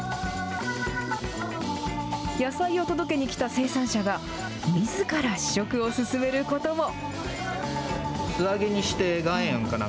野菜を届けに来た生産者が、みずから試食を勧めることも。